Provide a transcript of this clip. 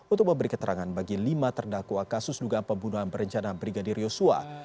untuk memberi keterangan bagi lima terdakwa kasus dugaan pembunuhan berencana brigadir yosua